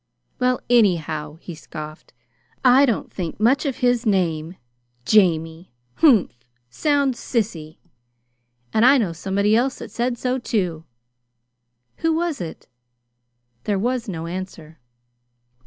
"Well, anyhow," he scoffed, "I don't think much of his name. 'Jamie'! Humph! sounds sissy! And I know somebody else that said so, too." "Who was it?" There was no answer.